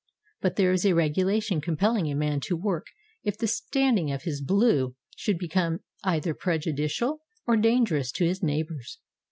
But there is a regulation compelling a man to work if the standing of his "blue" should be come either prejudicial or dangerous to his neighbors.